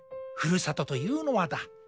ふるさとというのはだ